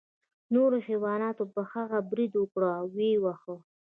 نورو حیواناتو په هغه برید وکړ او ویې واهه.